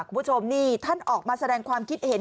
คุณผู้ชมนี่ท่านออกมาแสดงความคิดเห็น